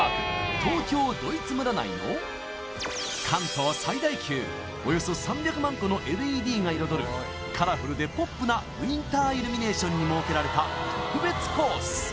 東京ドイツ村内の関東最大級およそ３００万個のＬＥＤが彩るカラフルでポップなウインターイルミネーションに設けられた特別コース